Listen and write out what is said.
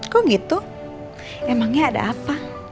kok gitu emangnya ada apa